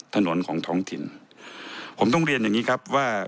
ถนนของท้องถิ่นผมต้องเรียนอย่างงี้ครับว่า